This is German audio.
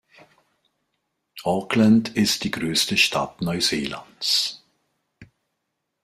Auckland ist die größte Stadt Neuseelands.